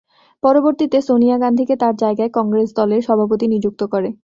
পরিবর্তে সোনিয়া গান্ধীকে তাঁর জায়গায় কংগ্রেস দলের সভাপতি নিযুক্ত করে।